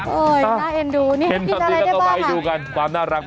โอ๊ยน่าเห็นดูนี่เห็นอะไรได้บ้างครับ